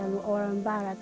kalau orang barat